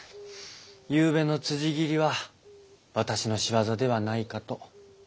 ゆうべの辻斬りは私の仕業ではないかと。